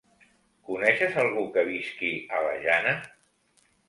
Coneixes algú que visqui a la Jana?